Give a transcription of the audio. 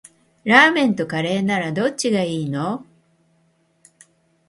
ラーメンとカレーならどっちがいいの？